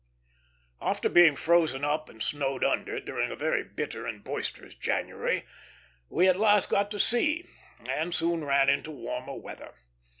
After being frozen up and snowed under, during a very bitter and boisterous January, we at last got to sea, and soon ran into warmer weather.